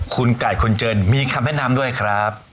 คุณไก่คนจนมีคำแนะนำด้วยครับ